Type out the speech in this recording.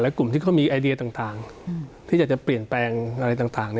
กลุ่มที่เขามีไอเดียต่างที่อยากจะเปลี่ยนแปลงอะไรต่าง